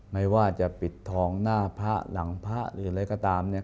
ไม่ว่าจะปิดทองหน้าพระหลังพระหรืออะไรก็ตามเนี่ย